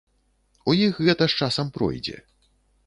У іх гэта з часам пройдзе.